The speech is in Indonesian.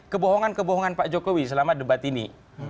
kebohongan kebohongan pak jokowi selama debat ini